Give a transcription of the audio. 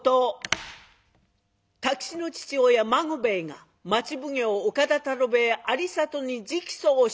太吉の父親孫兵衛が町奉行岡田太郎兵衛有隣に直訴をした。